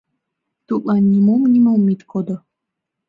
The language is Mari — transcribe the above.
Тудлан нимом-нимом ит кодо.